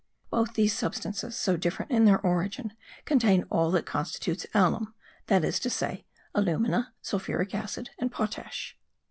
Both these substances, so different in their origin, contain all that constitutes alum, that is to say, alumina, sulphuric acid and potash.